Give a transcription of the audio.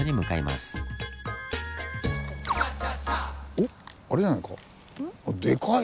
おっあれじゃないか？